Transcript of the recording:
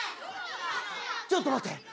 ちょっと待って。